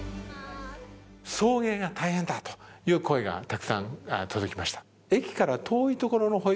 送迎が大変だという声がたくさん届きました。